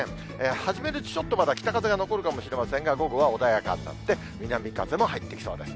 初めのうち、ちょっとまだ北風が残るかもしれませんが、午後は穏やかになって、南風も入ってきそうです。